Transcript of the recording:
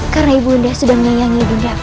karena ibu namo sudah menyayangi bunda aku